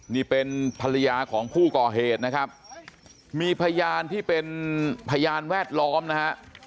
นี่เป็นภรรยาของผู้ก่อเหตุนะครับมีพยานที่เป็นพยานแวดล้อมนะฮะ